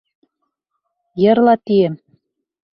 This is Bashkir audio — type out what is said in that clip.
Йырла, тием!